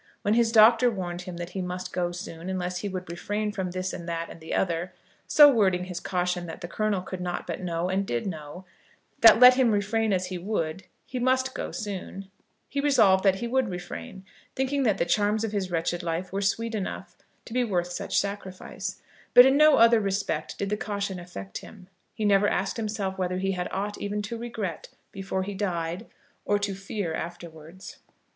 When his doctor warned him that he must go soon, unless he would refrain from this and that and the other, so wording his caution that the Colonel could not but know and did know, that let him refrain as he would he must go soon, he resolved that he would refrain, thinking that the charms of his wretched life were sweet enough to be worth such sacrifice; but in no other respect did the caution affect him. He never asked himself whether he had aught even to regret before he died, or to fear afterwards.